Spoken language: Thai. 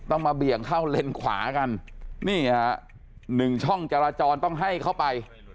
มาเบี่ยงเข้าเลนขวากันนี่ฮะหนึ่งช่องจราจรต้องให้เข้าไป